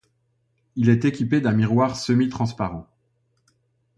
Il est équipé d'un miroir semi transparent.